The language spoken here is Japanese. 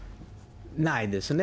ないですね。